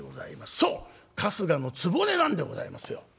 そう春日局なんでございますよ。